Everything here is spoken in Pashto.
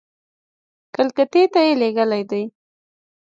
کلکتې ته یې لېږلي دي.